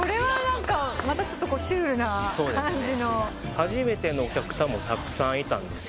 初めてのお客さんもたくさんいたんですよ。